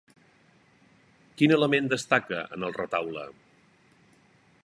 Quin element destaca en el retaule?